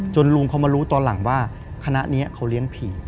ลุงเขามารู้ตอนหลังว่าคณะนี้เขาเลี้ยงผี